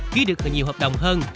ghi được nhiều hợp đồng hơn